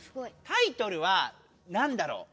タイトルは「なんだろう」。